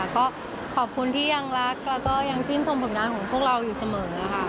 ก็ขอบคุณที่ยังรักแล้วก็ยังชื่นชมผลงานของพวกเราอยู่เสมอค่ะ